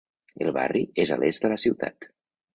El barri és a l'est de la ciutat.